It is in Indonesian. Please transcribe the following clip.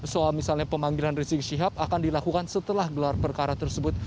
soal misalnya pemanggilan rizik syihab akan dilakukan setelah gelar perkara tersebut